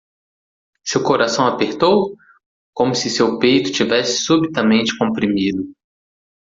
Seu coração apertou? como se seu peito tivesse subitamente comprimido.